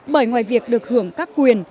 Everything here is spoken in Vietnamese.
bởi ngoài việc được hưởng các quyền